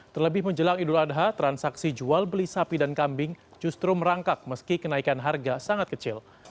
terlebih menjelang idul adha transaksi jual beli sapi dan kambing justru merangkak meski kenaikan harga sangat kecil